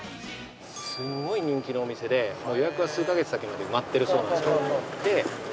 すごい人気のお店で予約は数カ月先まで埋まってるそうなんですよ。